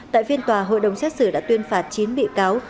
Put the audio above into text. tại phiên tòa hội đồng xét xử đã tuyên phạt chín bị cáo